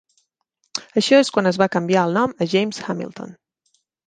Això és quan es va canviar el nom a James Hamilton.